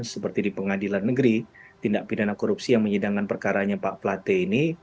seperti di pengadilan negeri tindak pidana korupsi yang menyidangkan perkaranya pak plate ini